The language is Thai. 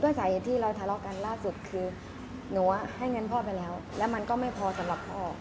สาเหตุที่เราทะเลาะกันล่าสุดคือหนูให้เงินพ่อไปแล้วแล้วมันก็ไม่พอสำหรับพ่อ